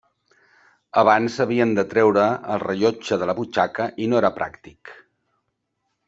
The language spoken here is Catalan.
Abans s'havien de treure el rellotge de la butxaca i no era pràctic.